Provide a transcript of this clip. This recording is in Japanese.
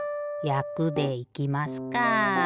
「やく」でいきますか。